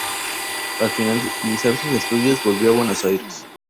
Al finalizar sus estudios volvió a Buenos Aires.